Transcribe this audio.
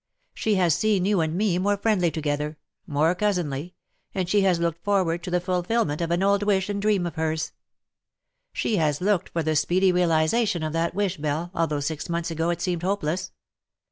She has seen you and me more friendly together — more cousinly — and she has looked forward to the fulfilment of an old wish and dream of hers. She has looked for the speedy realization of that wish, Belle, although six months ^go it seemed hopeless.